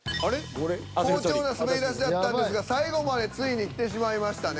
好調な滑り出しだったんですが最後までついに来てしまいましたね。